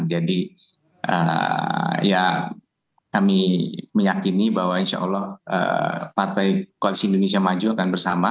jadi ya kami meyakini bahwa insya allah partai koalisi indonesia maju akan bersama